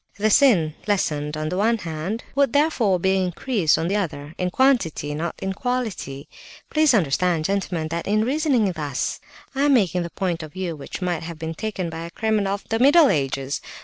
The sin, lessened on the one hand, would therefore be increased on the other, in quantity, not in quality. Please understand, gentlemen, that in reasoning thus, I am taking the point of view which might have been taken by a criminal of the middle ages.